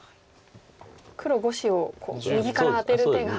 黒５子を右からアテる手が。